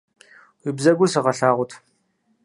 Уи бзэгур сыгъэлъагъут.